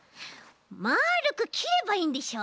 まるくきればいいんでしょ？